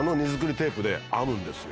テープで編むんですよ